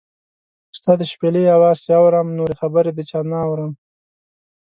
ستا د شپېلۍ اواز چې اورم، نورې خبرې د چا نۀ اورم